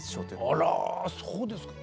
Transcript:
あらそうですか。